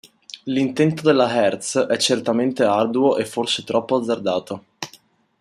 L'intento della Hertz è certamente arduo e forse troppo azzardato.